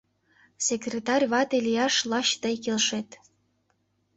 Секретарь вате лияш лач тый келшет...